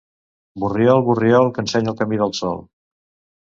Borriol, Borriol, que ensenya el camí del sol.